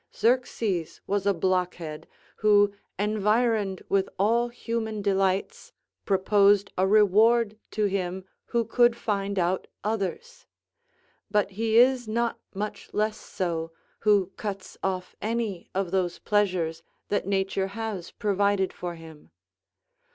Xerxes was a blockhead, who, environed with all human delights, proposed a reward to him who could find out others; but he is not much less so who cuts off any of those pleasures that nature has provided for him.